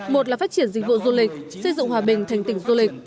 một là phát triển dịch vụ du lịch xây dựng hòa bình thành tỉnh du lịch